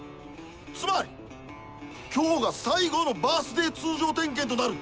つまり今日が最後のバースデー通常点検となる。